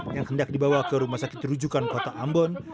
yang hendak dibawa ke rumah sakit rujukan kota ambon